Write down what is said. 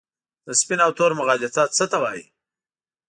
د سپین او تور مغالطه څه ته وايي؟